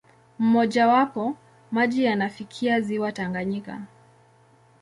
Mmojawapo, maji yanafikia ziwa Tanganyika.